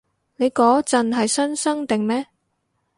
你嗰陣係新生定咩？